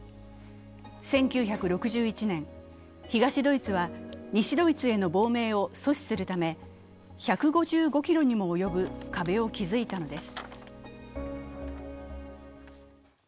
１９６１年、東ドイツは西ドイツへの亡命を阻止するため１５５ｋｍにも及ぶ壁を築いたのです。